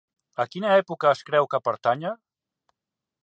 A quina època es creu que pertànyer?